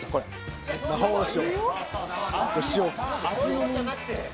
魔法の塩。